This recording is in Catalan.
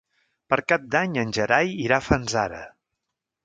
Per Cap d'Any en Gerai irà a Fanzara.